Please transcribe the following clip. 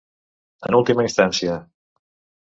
En última instància.